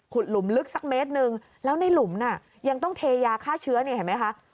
หลุมลึกสักเมตรหนึ่งแล้วในหลุมน่ะยังต้องเทยาฆ่าเชื้อเนี่ยเห็นไหมคะ